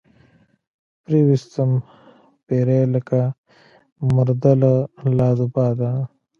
پرې ويستم پيرۍ لکه مرده لۀ لاد وباده